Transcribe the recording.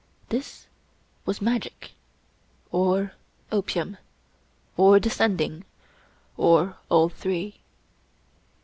This was magic, or opium, or the Sending, or all three.